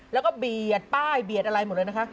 แล้วก็เบียดป้ายเบียดอะไรหมดเลยนะคะ